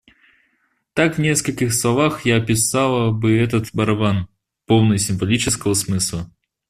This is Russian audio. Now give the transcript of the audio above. Так в нескольких словах я описала бы этот барабан, полный символического смысла.